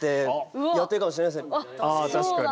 あ確かに。